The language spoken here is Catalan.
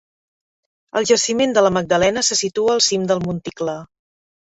El jaciment de la Magdalena se situa al cim del monticle.